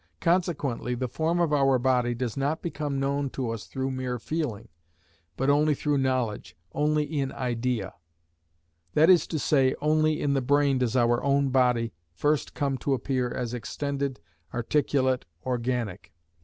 Consequently the form of our body does not become known to us through mere feeling, but only through knowledge, only in idea; that is to say, only in the brain does our own body first come to appear as extended, articulate, organic.